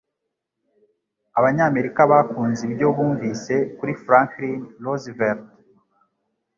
Abanyamerika bakunze ibyo bumvise kuri Franklin Roosevelt